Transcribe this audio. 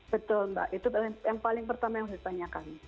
betul mbak itu yang paling pertama yang harus ditanyakan